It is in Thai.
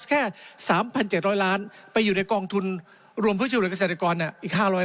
แค่๓๗๐๐ล้านไปอยู่ในกองทุนรวมผู้ชีวิตหลายเกษตรกร